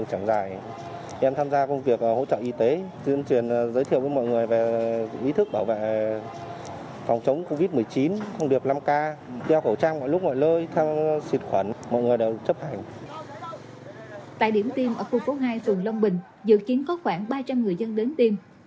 tại điểm tiêm ở khu phố hai phường long bình dự kiến có khoảng ba trăm linh người dân đến tiêm